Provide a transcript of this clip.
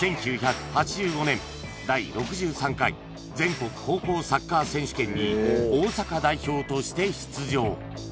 １９８５年第６３回全国高校サッカー選手権に大阪代表として出場